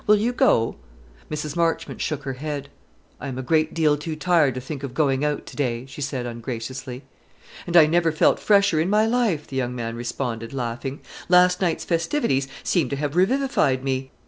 Will you go?" Mrs. Marchmont shook her head. "I am a great deal too tired to think of going out to day," she said ungraciously. "And I never felt fresher in my life," the young man responded, laughing; "last night's festivities seem to have revivified me.